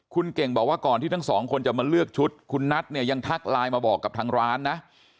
คุณเก่งบอกว่าก่อนที่ทั้งสองคนจะมาเลือกชุดคุณนัทเนี่ยยังทักไลน์มาบอกกับทางร้านนะ